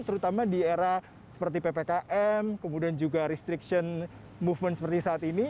terutama di era seperti ppkm kemudian juga restriction movement seperti saat ini